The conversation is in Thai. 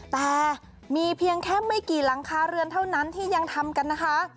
แต่มีเพียงแค่ไม่กี่หลังคาเรือนเท่านั้นที่ยังทำกันนะคะ